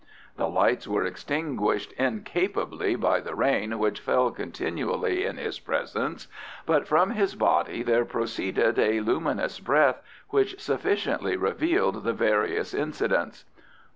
The lights were extinguished incapably by the rain which fell continually in his presence, but from his body there proceeded a luminous breath which sufficiently revealed the various incidents.